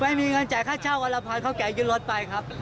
ไม่มีเงินจ่ายค่าเช่าวันละพันเท่าแก่ยึดรถไปครับ